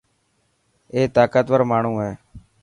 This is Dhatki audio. اي طاقتور ماڻهو هي.